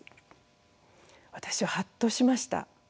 私ははっとしました。